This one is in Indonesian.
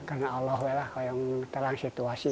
karena allah lah yang terang situasi